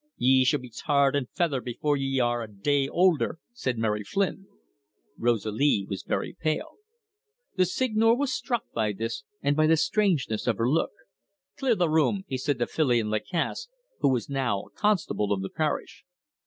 "Ye shall be tarred and feathered before y'are a day older," said Mary Flynn. Rosalie was very pale. The Seigneur was struck by this and by the strangeness of her look. "Clear the room," he said to Filion Lacasse, who was now a constable of the parish.